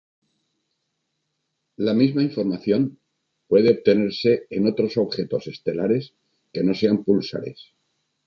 La misma información puede obtenerse en otros objetos estelares que no sean púlsares.